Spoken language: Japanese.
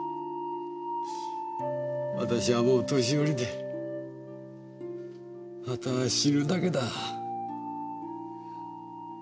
私はもう年寄りであとは死ぬだけだ。